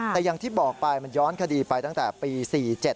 แต่อย่างที่บอกไปมันย้อนคดีไปตั้งแต่ปี๔๗